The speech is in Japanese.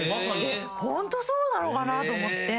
ホントそうなのかなと思って。